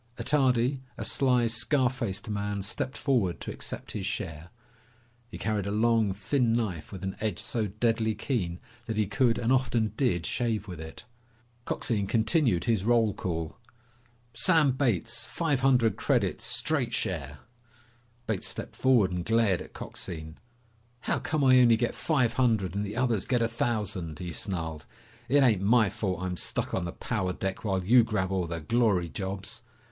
Attardi, a sly, scar faced man, stepped forward to accept his share. He carried a long, thin knife with an edge so deadly keen that he could and often did shave with it. Coxine continued his roll call. "Sam Bates! Five hundred credits. Straight share." Bates stepped forward and glared at Coxine. "How come I only get five hundred and the others get a thousand?" he snarled. "It ain't my fault I'm stuck on the power deck while you grab all the glory jobs!"